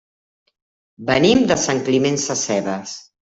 Venim de Sant Climent Sescebes.